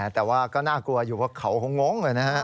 แต่ว่าก็น่ากลัวอยู่ว่าเขาหงงน่ะ